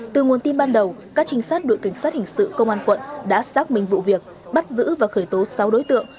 từ nguồn tin ban đầu các trinh sát đội cảnh sát hình sự công an quận đã xác minh vụ việc bắt giữ và khởi tố sáu đối tượng